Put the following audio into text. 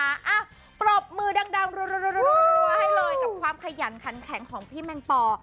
อ่ะปรบมือดังรัวให้เลยกับความขยันขันแข็งของพี่แมงปอ